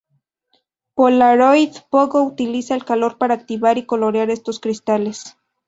Polaroid PoGo utiliza el calor para activar y colorear estos cristales.